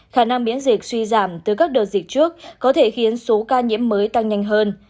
khả năng miễn dịch suy giảm từ các đợt dịch trước có thể khiến số ca nhiễm mới tăng nhanh hơn